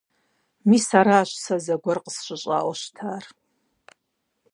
Мис аращ сэ зэгуэр къысщыщӀауэ щытар.